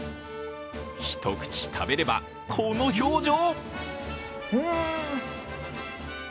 一口食べれば、この表情。